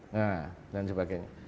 nah dan sebagainya